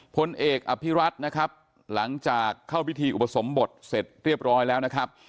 พลเอกอภิรัตน์นะครับหลังจากเข้าพิธีอุปสมบทเสร็จเรียบร้อยแล้วนะครับ